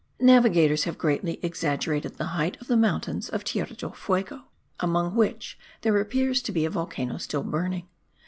Navigators have greatly exaggerated the height of the mountains of Tierra del Fuego, among which there appears to be a volcano still burning.